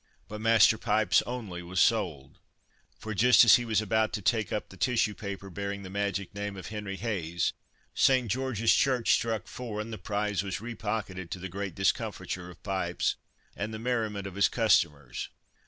But Master Pipes only was sold, for just as he was about to take up the tissue paper bearing the magic name of Henry Hase, St. George's church struck four, and the prize was re pocketed to the great discomfiture of "Pipes," and the merriment of his customers.